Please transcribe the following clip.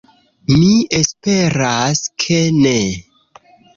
Mi esperas, ke ne!